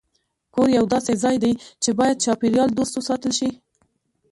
کور یو داسې ځای دی چې باید چاپېریال دوست وساتل شي.